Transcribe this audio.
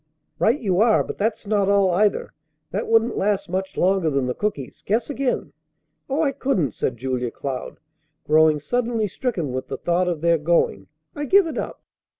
"Right you are! But that's not all, either. That wouldn't last much longer than the cookies. Guess again." "Oh, I couldn't!" said Julia Cloud, growing suddenly stricken with the thought of their going. "I give it up."